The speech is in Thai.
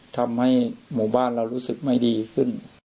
ทำให้หมู่บ้านเรารู้สึกไม่ดีขึ้น